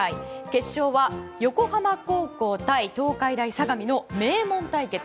決勝は横浜高校対東海大相模の名門対決。